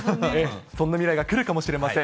そんな未来が来るかもしれません。